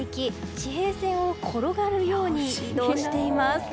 地平線を転がるように移動しています。